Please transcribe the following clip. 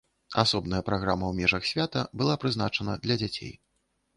Асобная праграма ў межах свята была прызначана для дзяцей.